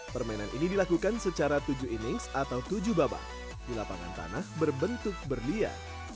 permainan ini dilakukan secara tujuh innings atau tujuh babak di lapangan tanah berbentuk berliat